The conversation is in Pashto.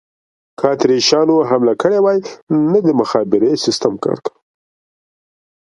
که اتریشیانو حمله کړې وای، نه د مخابرې سیسټم کار کاوه.